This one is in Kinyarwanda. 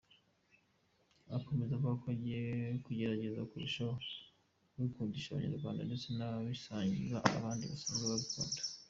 Akomeza avuga ko agiye kugerageza kurushaho kubikundisha abanyarwanda ndetse akabisangiza abandi basanzwe babikunda.